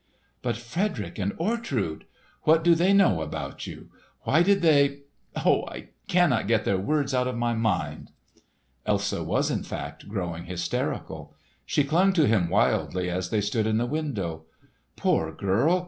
"But Frederick and Ortrud? What do they know about you? Why did they—oh, I cannot get their words out of my mind!" Elsa was in fact growing hysterical. She clung to him wildly as they stood in the window. Poor girl!